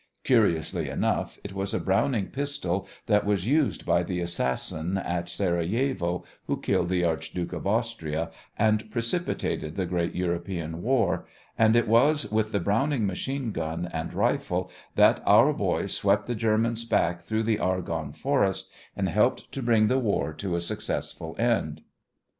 Curiously enough, it was a Browning pistol that was used by the assassin at Serajevo who killed the Archduke of Austria and precipitated the great European war, and it was with the Browning machine gun and rifle that our boys swept the Germans back through the Argonne Forest and helped to bring the war to a successful end.